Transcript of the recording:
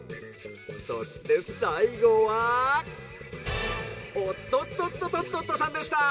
そしてさいごはおっとっとっととっとっとさんでした。